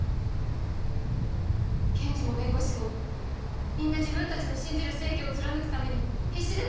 検事も弁護士もみんな自分たちの信じる正義を貫くために必死で闘ってるんです！